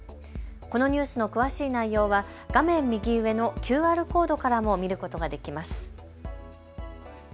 このニュースの詳しい内容は画面右上のＱＲコードからも見ることができます。